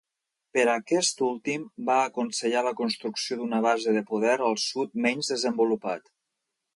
Per a aquest últim, va aconsellar la construcció d'una base de poder al sud menys desenvolupat.